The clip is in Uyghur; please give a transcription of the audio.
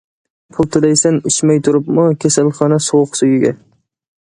پۇل تۆلەيسەن ئىچمەي تۇرۇپمۇ، كېسەلخانا سوغۇق سۈيىگە.